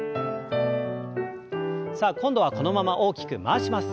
さあ今度はこのまま大きく回します。